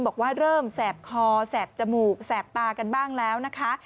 บอกว่าเริ่มแสบคอแสบจมูกแสบตากันบ้างแล้วนะคะ